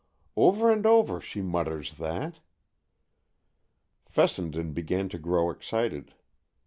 Over and over she mutters that." Fessenden began to grow excited.